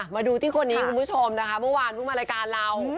มาดูที่คนนี้คุณผู้ชมนะคะเมื่อวานเพิ่งมารายการเรา